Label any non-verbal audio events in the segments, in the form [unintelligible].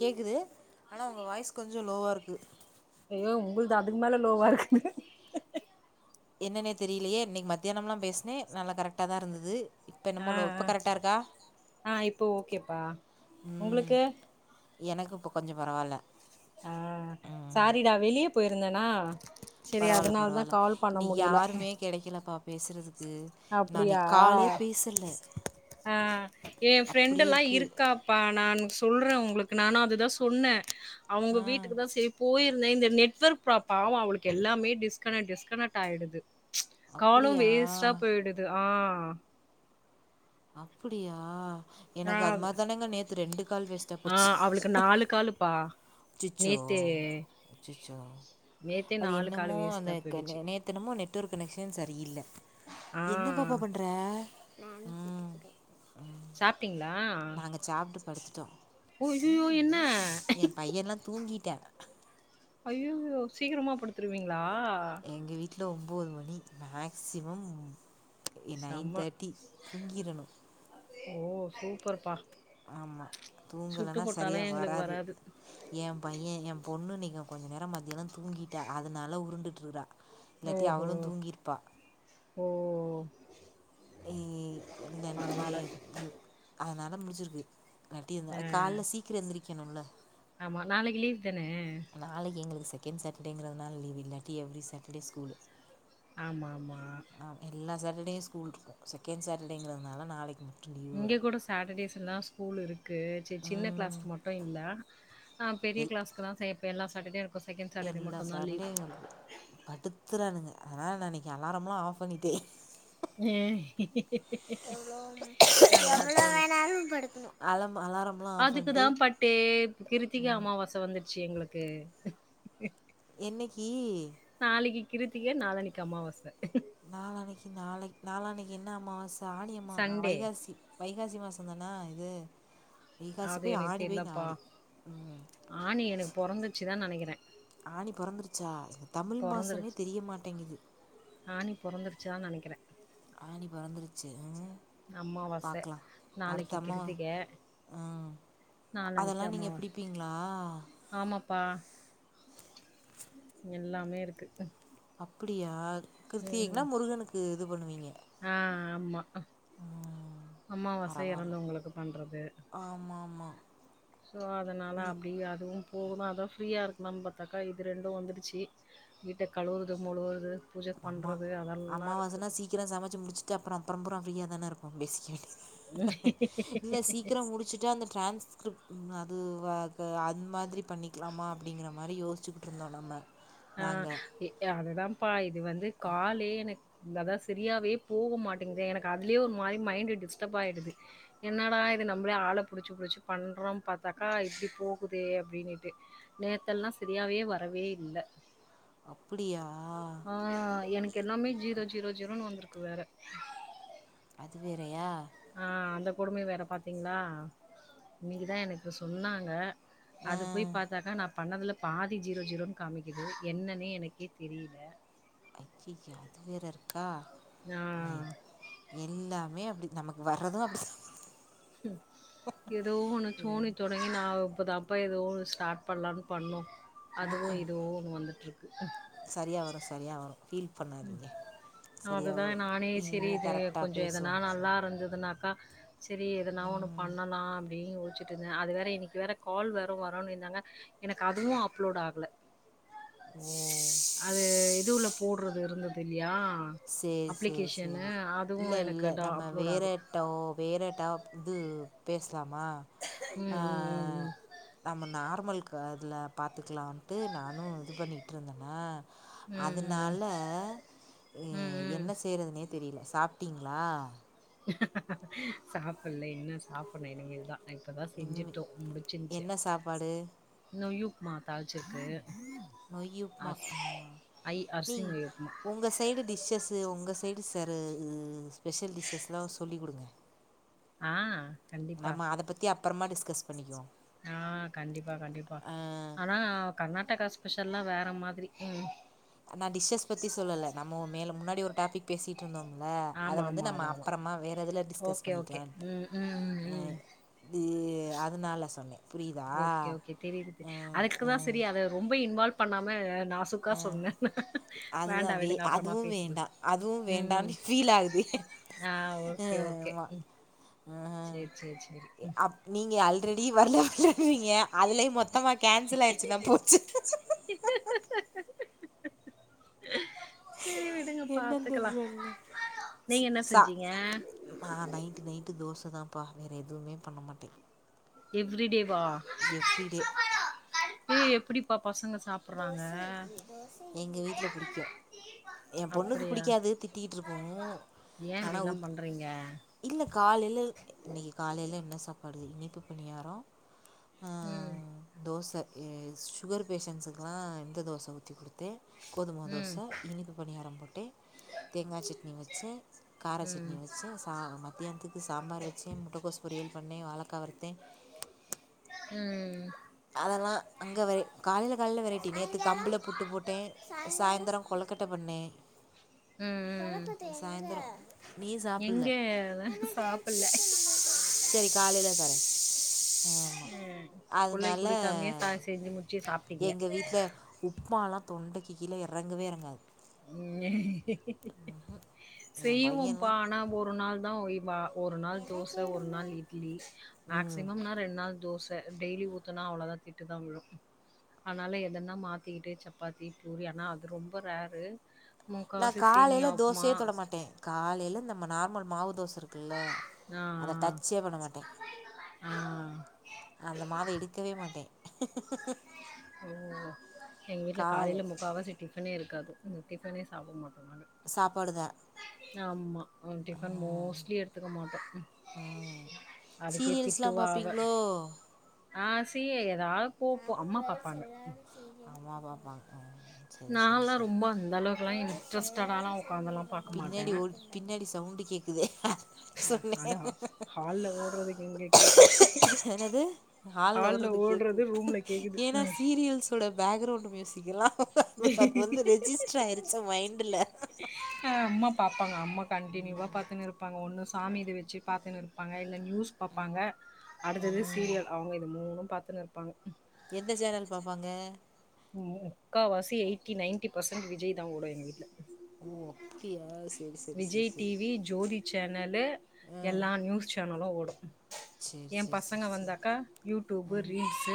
கேக்குது ஆனா உங்க வாய்ஸ் கொஞ்சோ லோவா இருக்கு இது அதுக்கு மேல லோவா இருக்குது என்னன்னே தெரியிலேயே இன்னைக்கு மத்தியானம்ல பேசுனே நல்லா கரெக்டாதா இருந்துது இப்ப என்னமோ ஆ லோ ஆ இப்ப கரெட்டா இருக்கா ஆ இப்போ ஓகேப்பா ம் உங்களுக்கு எனக்கு இப்போ கொஞ்சோ பரவால்ல ஆ சாரிடா வெளிய போயிருந்தேனா செரி பரவால்ல அதனால தா பரவால்ல கால் பண்ண இன்னிக்கி முடியல யாருமே கெடைக்கிலப்பா பேசுறதுக் அப்டியா ஆ ஏ அப்டியே ஃப்ரெண்டல்லா இருக்கு இருக்காப்பா நா சொல்றே உங்களுக்கு நானு அதுதா சொன்னே அவங்க ஆ வீட்டுக்கு தா செரி போய் இந்த நெட்வர்க் ப்ராப் பாவோ அவளுக்கு எல்லாமே டிஸ்கனக்ட் டிஸ்கனெக்ட் ஆயிடுது அப்டியா து ஆ அப்புடியா எனக்கு ஆ அது மாரி தானங்க நேத்து ரெண்டு கால் வேஸ்டா ஆ போச்சு அவளுக்கு நாலு காலுப்பா அச்சச்சோ நேத்து அசச்சோ நேத்தே அது நாலு காலு என்னமோ அந்த வேஸ்ட்டா போயிடுச்சு நேத்தனமொ என்னமோ நெட்ஒர்க் கனெக்க்ஷன் சரியில்ல ஆ என்ன பாப்பா பண்ற அ ம் சாப்ட்டீங்ளா நாங்க சாப்ட்டு உய்யயோ என்ன ஏ பையல்லா தூங்கிட்டா ஐயோயோ சீக்கிரமா படுத்துருவீங்களா எங்க வீட்ல ஒம்போது மணி மேக்சிமம் எ நைன் செம்ம தேட்டி தூங்கிறணு ஓ சூப்பர் பா ஆமா தூங்கலன்னா சரியா வராது எ பையன எ பொண்ணு நீ கொஞ்ச நேரொ மதியானொ தூங்கீடா அதனால உருண்டுட்டுருகா இல்லாட்டி ஓஹோ அவளு தூங்கீருப்பா ஓ ஏ இல்ல பரவால்ல அதனால முடிசிருக்கு நட்டி ஆ இருந்த கால்ல சீக்கிறோ எந்திரிக்கணுல ஆமா நாளைக்கு லீவ் தான நாளைக்கு எங்களுக்கு செகண்ட் சாட்டெர்டேங்குறதுனால லீவ்வு இல்லாட்டி எவ்ரி சாட்டர்டே ஸ்கூலு ஆமா ஆமா சட்டர்டே ஸ்கூல் இருக்கு செகெண்ட் சாட்டர்டேங்கிறதுனால நாளைக் இங்க கூட சாட்டர்டேஸ் எல்லா ஸ்கூல் இருக்கு ச சின்ன கிளாஸ்க்கு மட்டு இல்ல ஆ பெரிய எல் கிளாஸ்குல்லா செய்யப்ப எல்ல சாட்டர்டே இருக்கு எல்லா சாட்டடேயுருக்கு படுத்துறானுங்க அதனால நா இன்னைக்கு அலாரம்லா ஆஃப் பண்ணிட்டே எவ்ளோ எவ்ளோ வேணாலு படுக்கணு அ அதுக்குதா பட்டே கிருத்திக்க அமாவாசை வந்து ச்ச எங்களுக்கு என்னகீ நாளைக்கு கிருத்திக நாளனைக்கு அமாவாசை நாளான்னக்கி நாளை நாளான்னைகு நாள என்ன அம்மாவச ஆணி அம்மா சண்டே வைகாசி வைகாசி மாச ந்தனா இது வைகாசி அது போய் எனக்கு ஆனி போய் தெரியலப்பா. ஆடி ம் ஆணி எனக்கு பொறந்துச்சு தான் நெனைக்கிறேன். ஆனி பொறந்தருச்சா தமிழ் மாசமே பொறந்துடுச்சு. தெரிய மாட்டேங்குது ஆணி பொறந்துடுச்சு தான் நெனைக்கிறேன். ஆனி பொறந்துரு ச்சு சரி அமாவாசை. பாக்கலா நாளைக்கு அடுத்தம்மா கிருத்திகை, ஆ அதெல்லா நாளான்னைக்கு நீங்க அமாவாசை. பிடிப்பீங்களா ஆமாப்பா. எல்லாமே இருக்கு அப்படியா கிருத்திகைக்குனா ம் முருகனுக்கு இது பண்ணுவீங்க ம் அமாவாசை பரவால்ல இறந்தவங்களுக்கு பண்றது ஆமா ஆமா சோ அதனால நீ அப்படியே அதுவு போகனு அதா ஃப்ரீயா இருக்கலாம்னு பாத்தாக்கா இது ரெண்டு வந்துடுச்சு வீட்ட கழுவுறது மொழுவுறது பூஜ நம்ம அம்மா பண்றது அதெல்லா அமாவாசனா சீக்கிர சமைச்சு முடிச்சுட்டு அப்பறம் அப்புறம்பற ஃப்ரீயா தான இருக்கு பேசிக்கவேண்டியது இருக்கு இல்ல சீக்கிர முடிச்சுட்டா அந்த ட்ரான்ஸ்கிரிப்ட் ம் அது வ அது அந்த மாதிரி பண்ணிக்கலாமா அப்படிங்கிற மாதிரி யோசிச்சுக்கிட்ருந்தோ நம்ம ஆ நாங்கள் ஏ அததா பா இது வந்து காலே எனக் இந்ததா செரியாவே போக மாட்டிங்குதே எனக்கு அதுலியே ஒரு மாரி மைண்டு டிஸ்டப் ப்பாயிடுது என்னடா இது நம்பளே ஆள புடிச்சு புடிச்சு பண்றோம் பாத்தாக்கா இப்டி போகுதே அ ப்டினிட்டு நேத்தெல்லா செரியாவே வரவே இல்ல அப்பிடியா ஜீரோ ஜீரோனு வந்துருக்கு வேற இது வேறயா ஆ அந்த கொடுமைய வேற பாத்திங்ளா இன்னிக்குதா எனக்கு சொன்னாங்க அது போய் பாத்தாக்கா நா பண்ணதுல பாதி ஜீரோ ஜீரோன் காமிக்கிது என்னனே எனக்கே தெரியில அய்யய்ய அது வேற இருக்கா ஆ. ஏய் எல்லாமே அ நமக்கு வர்றது அப்டி ம்ஹு எதோ ஒன்னு தோணி தொடங்கி நாவ் இப்ப தாப்பா எதோ ஒனு ஸ்டாட் பண்லான் பண்ணோ அதுவு எதுவோ ஒன்னு வந்துட்ருக்கு சரியா வரு சரியா வரு ம் அதுதா வரும் நானே செரி இனிமேல் இது கரெக்டாக கொஞ்சொ எதனா பேசுவோம் நல்லாருந்து அதுனாக்கா செரி எதுனா ஒன்னு பண்ணலா ப்டின் யோச்சுட்ருந்தே அது வேற இன்னிக்கு வேற கால் வேற வருனிந்தாங்க எனக்கு அதுவு அப்லோடு ஆகல அது இது உள்ள போட்றது இருந்துது இல்லியா அ சேரி சேரி அப்ளிகேஷனு சேரி ஆ இல்ல இல்ல நம்ம வேறட்டவோ வேற டாப் இது பேசலாமா அ ம் ம் ம் ம் நம்ம நார்மல்க் க அதுல பாத்துக்லான்ட்டு நானு இது பண்ணிகிட்ருந்தனா ம் ம் அதுனால எ ம் ம் என்ன ம் செய்றதுனே தெரில சாப்டிங்ளா சாப்பல்ல இன்னு சாப்புனு இனிமேல் தா அ இப்ப தா இனிமே செஞ்சிட்டோ முடிச்சின்ச்செ என்ன சாப்பாடு நொய்யுப்மா தாள்ச்சிருக்கு நொய்யுப்மா அ ஐ நீ அரிசி நொய் உப்மா உங்க சைடு டிஷ்ஷஸு உங்க சைடு ஸ் வேற இது ஸ்பெஷல் டிஷ்ஷஸ்லா சொல்லி குடுங்க அ கண்டிப்பா நம்ம அத பத்தி அப்பறமா டிஸ்கஸ் பண்ணிக்குவோ ஆ கண்டிப்பா கண்டிப்பா ஆனா கர்நாடகாஸ் பெஷல்லா வேற மாதிரி ம் அ நா டிஷ்ஷஸ் பத்தி சொல்லல நம்மோ மேல முன்னாடி ஒரு டாபிக் பேசிட்டு இருந்தோமில்ல அத ஆமா வந்து ஆமா நம்ம ஆமா ஆமா அப்பறமா வேற இதுல டிஸ்கஸ் ஓகே ஓகே பண்ணிக்லான்ட்டு ம் ம் ம் அ ம் தி அதுனால சொன்னே ஓகே ஓகே தெரிது தெ அதுக்குதா செரி அத ரொம்ப இன்வால்வ் பண்ணாம நாசுக்கா சொன்னே நா வேண்டா அதுதான் வே விடுங்க அப்பறமா அதுவும் பேசிக்ல வேண்டாம் அதுவும் ம் வேண்டான்னு ஃபீல் ஆகுது அ ஓகே ஓகே ஆமாம் ம் சேர் சேர் சேரி ம் ல்ரெடி வர்ல வர்லன்றிங்க அதுலயு மொத்தமா கேன்சல் ஆயிருச்சுனா போச்சு [unintelligible] சேரி விடுங்க பாத்துக்கலா ஸ் நீங்க என்ன சா செஞ்சீங்க அ அ ஹா நைட்டு நைட்டு தோச தா ப்பா வேற எதுவுமே பண்ண மாட்டே எவ்ரி டே வா எவ்ரிடே ஏ எப்டி எங்க வீட்ல பிடிக்கு எ பொண்ணுக்கு அப்டியா பிடிக்காது திட்டிகிட்ருக்கு ஏ ஆனா உ இப்டிலா பண்றீங்க இல்ல காலைல இன்னிக்கி காலைல என்ன சாப்பாடு இனிப்பு பணியாரோ ம் எ சுகர் பேஷண்ஸ்க்லா இந்த தோச ஊத்தி குடுத்தே கோதும்மாவு தோச ம் இனிப்பு பணியாரம் போட்டே தேங்கா சட்னி வெச்சே கார ம் சட்னி வெ ச்சே சா மத்தியான்த்துக்கு சாம்பார் வெச்சே முட்டகோஸ் பொரியல் பண்ணே வாழக்கா வறு ம் அதெல்லா அங்கவறே காலேல கால்ல வெரைட்டி நேத்து கம்புல புட்டு போட்டே சாய்ந்தறோ கொழக்கட்ட பண்ணே ம் ம் சாயந்தறோ நீ சாப்பிடல எங்க சாப்புட்ல சரி காலேல தரே ஆமா ம் பிள்ளை அதனால குடிக்காமே சாயா செஞ்சு முச்சு சாப்பிட்டீங்க எங்க வீட்ல உப்மாலா தொண்டைக்கு கீழ இறங்கவே இறங்காது ம் எ செய்வோப்பா பையன்லா ஆனா ஒரு நாள் தா ஒய்வா ஒரு நாள் தோச ஒரு நாள் இட்லி ம் மேக்சிமம்னா ரெண்டு நாள் தோச டெய்லி ஊத்தனா அவ்வளோதா திட்டு தா விழு அதனால எதன்னா மாத்திக்கிட்டு சப்பாத்தி பூரி ஆனா அது ரொம்ப ரேரு நா முக்காவாசி காலேல சேமியா உப்புமா. தோசயே தொட மாட்டே காலேல நம்ம நார்மல் மாவு தோச இருக்குல்ல ஆ, அத டச்சே பண்ண மாட்டே ஆ, அந்த மாவ எடுக்கவே மாட்டே ம் எங்க வீட்ல காலைல முக்கா வாசி டிஃபனே இருக்காது இந்த டிஃபனே சாப்ட மாட்டோ சாப்பாடுதா ஆம்மா டிஃபன் மோஸ்ட்லி எடுத்துக்க மாட்டே ம் அதுக்கே சீரியல்ஸ்லாம் திட்டுவா அவ பார்ப்பீங்களோ ஆ சி யே ஏதாது போபோ ஆமா அம்மா பக் கேர்ள்ஸ் அம்மா அப்பா பாக்கணு சரி சரி நான்லா சரி ரொம்ப அந்த அளவுக்குலா இன்ட்ரெஸ்டடாலா உக்காந்துலா பாக்க மாட்டே பின்னாடி ஒரு பின்னாடி சவுண்டு கே க்குதே அத ஹால்ல ஓடுறது இங்க கேக்குது என்னது ஹாலில் ஹால்ல கேட்குது ஓடுறது ரூம்ல கேக்குது ஏன்னா சீரியல்ஸோட பேக்ரவுண்ட் மியூசிக்லாம் அது அது வந்து ரெஜிஸ்டர் ஆயிருச்சா மைண்டில் ஆ அம்மா பாப்பாங்க அம்மா கண்டினியூவா பாத்துனு இருப்பாங்க ஒன்னு சாமி இது வச்சு பாத்தின்னு இருப்பாங்க இல்ல நியூஸ் பாப்பாங்க அடுத்தது சீரியல் அவங்க இது மூணு பாத்துன்னு இருப்பாங்க எந்த சேனல் பாப்பாங்க முக்காவாசி எயிட்டி நையன்டி பர்சன்ட் விஜய் தா ஓடு எங்க வீட்டு்ல ஓ அப்படியா சரி சரி சரி விஜய் சரி டிவி ஜோதி சேனலு ஆ எல்லா நியூஸ் சேனலு ஓடு சரி எ சரி சரி பசங்க சரி வந்தாக்கா யூடியூப்பு ம் ரீல்ஸ்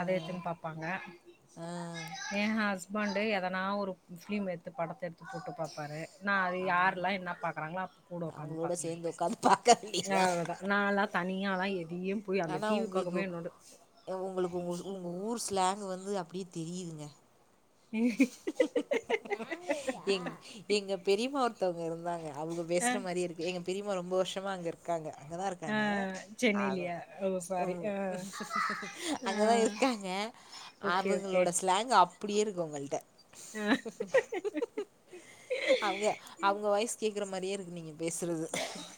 அத ம் எத்ன்னு பாப்பாங்க ஆ எ ஹஸ்பண்டு எதனா ஒரு பிலிம் எடுத்து படத்த எடுத்து போட்டு பாப்பாரு நா அது யாரல்லா என்ன பாக்றாங்களோ அப்ப கூட உக்காந்து அவங்களோட சேர்ந்து பாத்துனுற்பே உட்காந்து பார்க்க வேண்டியதுதான் அவ்ளதா நால்லா தனியால்லா எது ஆனா உங்களுக்கு உங்களுக்கு உங்க உ உங்க ஊர் ஸ்லாங் வந்து ந்து அப்டி தெரியுதுங்க உஹம் எங் எங்க பெரியமா ஒருத்தவங்க இருந்தாங்க அவுக பேசுற அ மாரியேருக்கு எங்க பெரியமா ரொம்ப வருஷ் சமா அங்க இருக்காங்க அங்கதா ஆ இருக்காங்க அது சென்னையிலயா ஓ சாரி ஆ ஆ அங்கதா இருக்காங்க ஓகே ஓகே அவங்களோட ஸ்லாங்கு அப்டியே இருக்கு உங்கள்ட்ட ஆ அவுங்க அவுங்க வாய்ஸ் கேக்குற மாரியே இருக்கு நீங்க இப்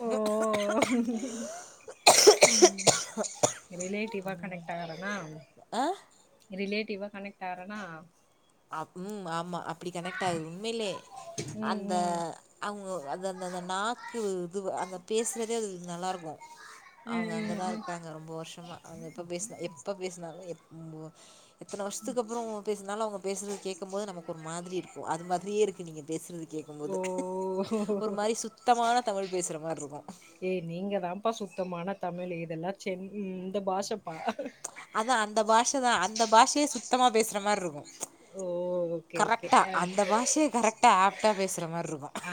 ஓ ம் ரிலேட்டிவா கனெக்ட் ஆகறனா அ ரிலேட்டிவா கனெக்ட் ஆறனா அப் உம் ஆமா அப்டி கனெக்ட் ஆகுது உண்மைலே ம் அந்த ம் அவங்க அது அந் அந்த நாக்கு இது அந்த பேசுறதே அது நல்லாருக்கு ம் அவங்க ம் அங்கதா ம் இருக்காங்க ரொம்ப வருஷமா அவங்க எப்ப பேசினா எப்ப பேசினாலு எப் எத்தன வர்ஷத்துக்கு அப்புறோம் பேசுனாலும் அவ்ங்க ரு கேக்கும் போது நமக்கு ஒரு மாதிரி இருக்கும் அது மாதிரியே இருக்கு நீங்க பேசுறது கேக்கு ஓ போது ஒரு மாரி சுத்தமான தமிழ் பேசுற மார்ட்ருக்கும் இங்கதான்ப்பா சுத்தமான தமிழ் இதெல்லாம் சென் இந்த பாஷப்பா அதா அந்த பாஷ தா அந்த பாஷயே சுத்தமா பேசுற மார்ருக்கும் ஓ ஓகே ஓகே அந்த பாஷைய கரெக்டா ஆப்டா பேசுற மாரி இருக்கும் ஆ ஆ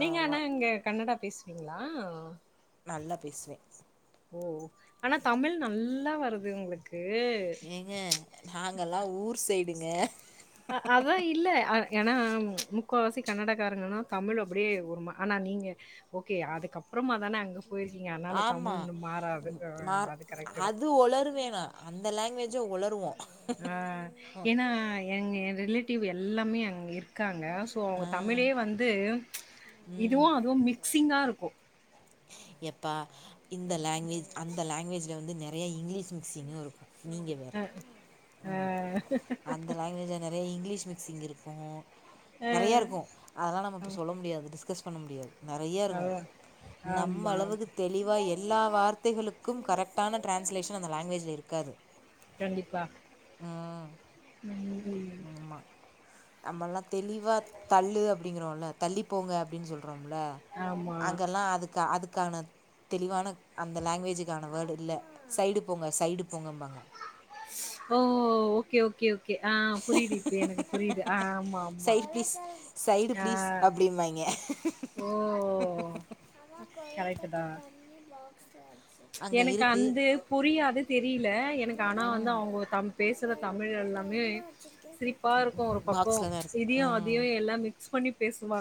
நீங்க ஆமா ஆனா இங்க கன்னடா பேஸ்வீங்ளா நல்லா பேசுவே ஓ ஆனா தமிழ் நல்லா வருது உங்ளுக்கு ஏங்க நாங்கல்லா ஊர் சைடுங்க அ அதா இல்ல அ ஏன்னா முக்காவாசி கன்னடக்காரங்கனா தமிழ் அப்படியே ஒரும ஆனா நீங்க ஓகே அதுக்கப் பறமா தான அங்க போயிருக்கிங்க அதனால ஆமா தமிழ் மாறாது அ மா அது கரெக்ட்டுதா அது ஒளருவேனா அந்த லாங்குவேஜ ஒளருவோ ஆ ஏனா எங் எ ரிலேட்டிவ் எல்லாமே அங்க இருக்காங் க சோ அவங்க ஆ தமிழே வந்து ம் இதுவு அதுவு மிக்சிங்கா ருக்கு எப்பா இந்த லாங்வேஜ் அந்த லாங்வேஜ்ல வந்து நெறைய இங்லிஷ் மிக்ஸிங்கு இருக்கு நீங்க வேற ஆ ம் அந்த லாங்குவேஜ்ல நெறைய இங்லிஷ் மிக்சிங் இருக்கு ஆ. நெறைய இருக்கு அதெல்லா நம்ம இப்போ சொல்ல முடியாது டிஸ்கஸ் பண்ண முடியாது நெறைய இருக்கு அதா நம்ம ஆமா அளவுக்கு தெளிவா எல்லா வார்த்தைகளுக்கும் கரெக்டான டிரான்ஸ்லேஷன் அந்த லாங்வேஜ்ல இருக்காது கண்டிப்பா ம் ம் ஆமா நம்மல்லா தெளிவா தள்ளு அப்படிங்கிறோல்ல தள்ளிப்போங்க அப்டின்னு சொல் றம்ல ஆமா. அங்கெல்லா அதுக்கு அதுக்கான தெளிவான அந்த லாங்குவேஜுக்கான வேர்டு இல்ல சைடு போங்க சைடு போங்கம்பாங்க ஓ ஓகே ஓகே ஓ கே ஆ புரிது இப்ப எனக்கு புரிது ஆ ஆமா ஆமா side please side ah please அப்டிம்பாய்ங்க ஓ கரெக்ட்டுதா அங்க எனக்கு இருக்கு அந்து புரியாது தெரி இல்ல எனக்கு ஆனா வந்து அவ்ங்க தம் பேசுற தமிழ் எல்லாமே சிரிப்பா இருக்கு ஒரு பக்கொ பாக்ஸ்ல தா இருக்கு இதியு ம் அதியு எல்லா மிக்ஸ் பண்ணி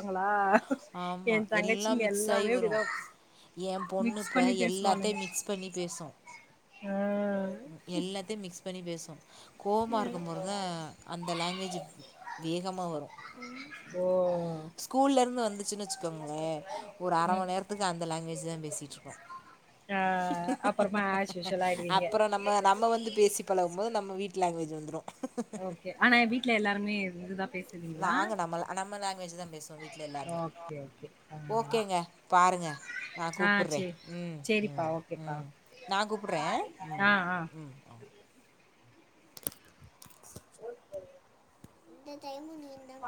களா ஏ ஆமா தங்கச்சி இங்க எல்லாமே இப்டிதா ஏம் பொண்ணு இப்ப எல்லாத்தையு மிக்ஸ் பண்ணி பேசு ஆ. எல்லாத்தையு மிக்ஸ் பண்ணி பேசு கோவமா இருக்கம் போறதா அந்த லாங்குவேஜ் வேகமா வரு ஓ ஸ்கூல்ல இருந்து வந்துச்சுன்னு வச்சுக்கோங்களே ஒரு அர ம் மண் நேரத்துக்கு அந்த லாங்குவேஜ் தா பேசிட்ருக்கோ ஆ அப்பறமா ஆஷ்யூஷுலாய்டுவீங்க அப்புறோ நம்ம நம்ம வந்து பேசி பழகம்போது நம்ம வீ்ட்டு லாங்குவேஜ் வந்த்ரு ஓகே ஆனா வீட்ல எல்லாருமே இதுதா நாங்க நம்ம ல நம்ம லாங்குவேஜ் தா பேசுவோ வீட்ல எல்லாருமே ஓகே, ஓகே. ஆ. ஓகேங்க பா ருங்க நா ஆ கூப்புர்றே சரி. ம் சரிப்பா, ம் ஓகேப்பா. ம் நா கூப்புர்றே ம் ஆ, ஆ. ம் இந்த டைமு நீ தா